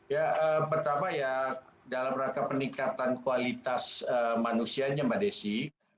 ya pertama ya dalam rangka peningkatan kualitas manusianya mbak desi